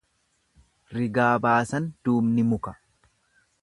Rigaa baasan duubni muka.